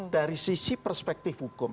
dari sisi perspektif hukum